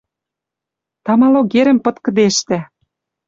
Тама логерӹм пыт кӹдежтӓ.